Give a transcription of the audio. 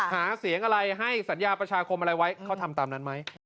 หาเสียงอะไรให้สัญญาประชาคมอะไรไว้เขาทำตามนั้นไหม